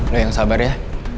lo yang sabar ya